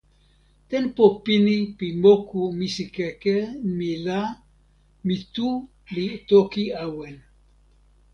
tenpo pini pi moku misikeke mi la, mi tu li toki awen.